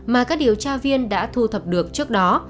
mà các điều tra viên đã thu thập được trước đó